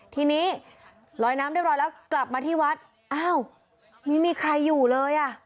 ทีนี้ลอยน้ำเรียบร้อยแล้วกลับมาที่วัดอ้าวไม่มีใครอยู่เลยอ่ะ